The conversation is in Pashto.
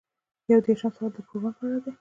یو دېرشم سوال د پروګرام په اړه دی.